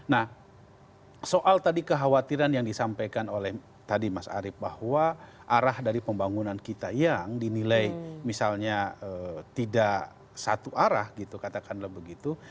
nah soal tadi kekhawatiran yang disampaikan oleh tadi mas arief bahwa arah dari pembangunan kita yang dinilai misalnya tidak satu arah gitu katakanlah begitu